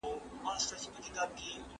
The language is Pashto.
ناپوهه ميرمن د خاوند ژوند څنګه تريخولای سي؟